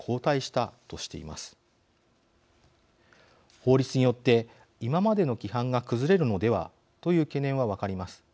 法律によって今までの規範が崩れるのではという懸念は分かります。